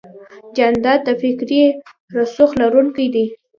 جانداد د فکري رسوخ لرونکی دی.